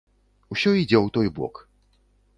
Усё ідзе ў той бок.